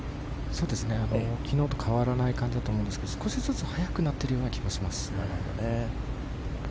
昨日と変わらない感じだと思いますが少しずつ速くなっているような気もします。